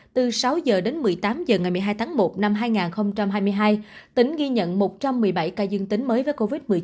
từ sáu h đến một mươi tám h ngày một mươi hai tháng một năm hai nghìn hai mươi hai tỉnh ghi nhận một trăm một mươi bảy ca dương tính mới với covid một mươi chín